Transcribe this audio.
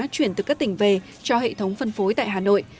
chuyển từ các tỉnh về cho hệ thống phân phối tại hà nội